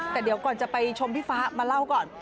แต่เดี๋ยวก่อนจะไปชมพี่ฟ้ามาเล่าก่อน